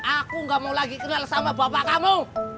aku gak mau lagi kenal sama bapak kamu